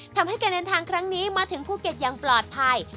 ทำให้การเดินทางครั้งนี้มาถึงภูเก็ตอย่างปลอดภัย